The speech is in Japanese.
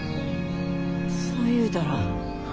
そう言うたら。